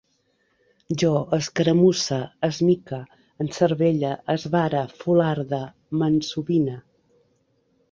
Jo escaramusse, esmique, encervelle, esvare, fularde, m'ensobine